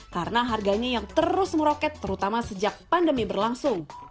karena harganya yang terus meroket terutama sejak pandemi berlangsung